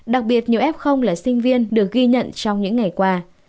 đặc biệt nhiều f là sinh viên được ghi nhận trong những ngày qua